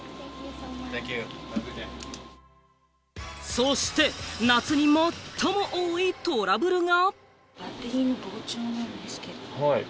そして夏に最も多いトラブルが。